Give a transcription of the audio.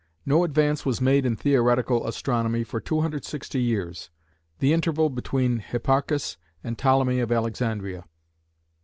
No advance was made in theoretical astronomy for 260 years, the interval between Hipparchus and Ptolemy of Alexandria.